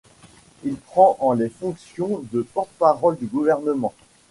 Il prend en les fonctions de porte-parole du gouvernement.